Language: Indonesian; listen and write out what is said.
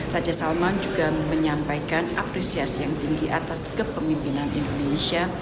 raja salman juga menyampaikan apresiasi yang tinggi atas kepemimpinan indonesia